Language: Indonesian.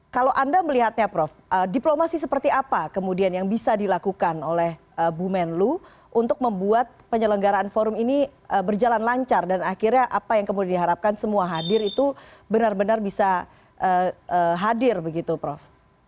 kalau anda melihatnya prof diplomasi seperti apa kemudian yang bisa dilakukan oleh bu menlu untuk membuat penyelenggaraan forum ini berjalan lancar dan akhirnya apa yang kemudian diharapkan semua hadir itu benar benar bisa hadir begitu prof